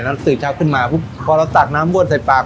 แล้วตื่นเช้าขึ้นมาพอเราตากน้ำวดใส่ปาก